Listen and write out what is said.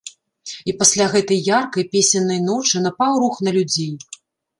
І пасля гэтай яркай, песеннай ночы, напаў рух на людзей.